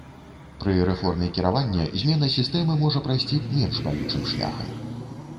Пры рэформе кіравання змена сістэмы можа прайсці менш балючым шляхам.